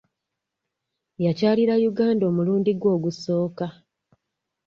Yakyalira Uganda omulundi gwe ogusooka.